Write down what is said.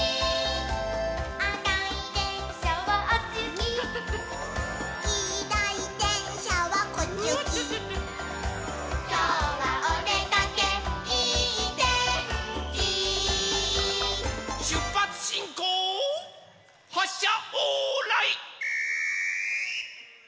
「あかいでんしゃはあっちゆき」「きいろいでんしゃはこっちゆき」「きょうはおでかけいいてんき」しゅっぱつしんこうはっしゃオーライ。